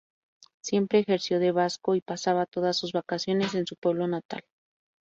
Siempre ejerció de vasco, y pasaba todas sus vacaciones en su pueblo natal.